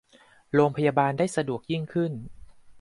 โรงพยาบาลได้สะดวกยิ่งขึ้น